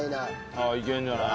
ああいけるんじゃない？